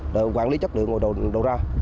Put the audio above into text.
để quản lý chất lượng ngồi đồ ra